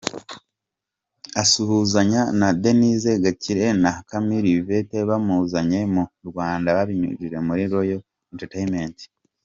Asuhuzanya na Denise Gakire na Camille Yvette bamuzanye mu Rwanda babinyujije muri Royal enteratainment.